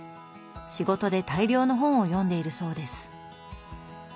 仕事で大量の本を読んでいるそうです。